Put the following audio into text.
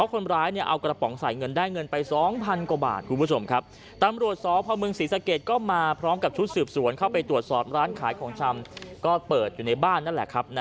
ชนหนองยางนะฮะมูลหกตำบลหนองครกอำเทิงบังษีสะเกด